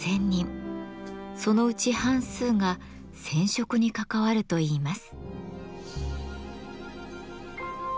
そのうち半数が「染織」に関わるといいます。